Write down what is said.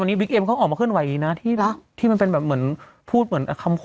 วันนี้เขาออกมาขึ้นไวน่ะที่แล้วที่มันเป็นแบบเหมือนพูดเหมือนค่ำ